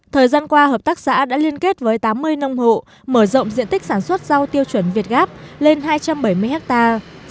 thời gian qua hợp tác xã đã liên kết với tám mươi nông hộ mở rộng diện tích sản xuất rau tiêu chuẩn việt gáp lên hai trăm bảy mươi hectare